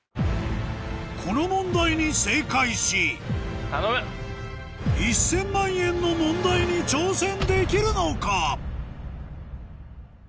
この問題に正解し１０００万円の問題に挑戦できるのか？